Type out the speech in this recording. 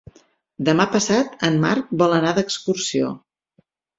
Demà passat en Marc vol anar d'excursió.